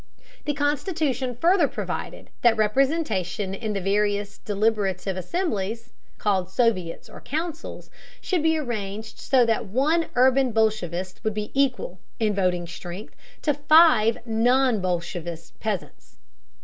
The constitution further provided that representation in the various deliberative assemblies (called soviets, or councils) should be arranged so that one urban bolshevist would be equal, in voting strength, to five non bolshevist peasants.